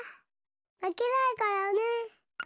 まけないからね！